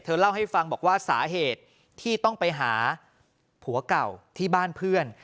เล่าให้ฟังบอกว่าสาเหตุที่ต้องไปหาผัวเก่าที่บ้านเพื่อน